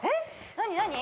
何何？